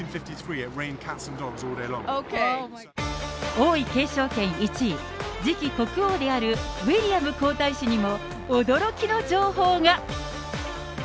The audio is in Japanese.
王位継承権１位、次期国王であるウィリアム皇太子にも、驚きの情報が。